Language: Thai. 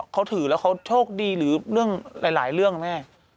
เขาถือแล้วเขาโชคดีหรือเรื่องหลายเรื่องแม่